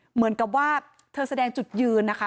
เหมือนกับว่าเธอแสดงจุดยืนนะคะ